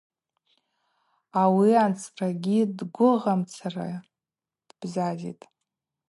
Ауи анцӏрагьи дгвыгъаумцара дбзазитӏ.